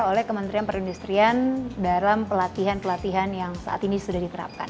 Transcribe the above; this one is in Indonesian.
oleh kementerian perindustrian dalam pelatihan pelatihan yang saat ini sudah diterapkan